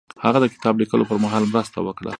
هغه د کتاب لیکلو پر مهال مرسته وکړه.